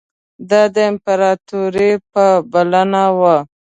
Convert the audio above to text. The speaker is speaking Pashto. دا د امپراطور په بلنه وو.